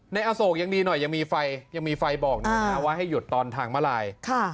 ในอโศกยังดีหน่อยยังมีไฟยังมีไฟบอกนะฮะว่าให้หยุดตอนทางมาลาย